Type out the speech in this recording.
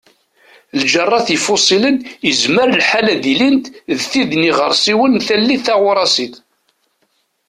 Lǧerrat ifuṣilen yezmer lḥal ad ilint d tid n yiɣersiwen n tallit Tajurasit.